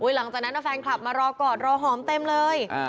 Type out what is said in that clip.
หลังจากนั้นแฟนคลับมารอกอดรอหอมเต็มเลย